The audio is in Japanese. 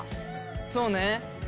そうね。